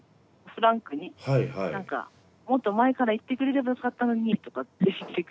フランクに何か「もっと前から言ってくれればよかったのに」とかって言ってくれて。